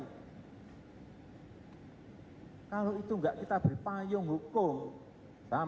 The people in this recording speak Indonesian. jadi kalau itu enggak kita berpayung hukum